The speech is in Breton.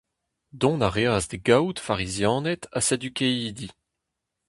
Dont a reas d’e gaout Farizianed ha Sadukeidi.